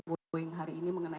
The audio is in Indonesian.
boeing hari ini mengenai